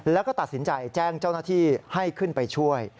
แล้วก็ตัดสินใจแจ้งเจ้าหน้าที่ให้ขึ้นไปช่วย